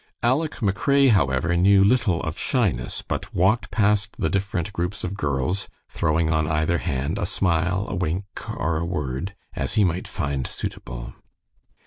Aleck McRae, however, knew little of shyness, but walked past the different groups of girls, throwing on either hand a smile, a wink, or a word, as he might find suitable.